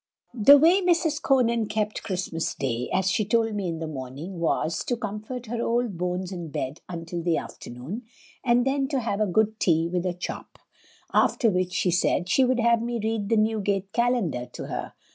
"The way Mrs. Conan kept Christmas Day, as she told me in the morning, was, to comfort her old bones in bed until the afternoon, and then to have a good tea with a chop; after which she said she would have me read the Newgate Calendar to her.